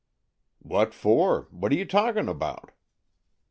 "What for? What are you talking about?